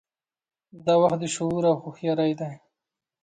دا وخت د شعور او هوښیارۍ دی.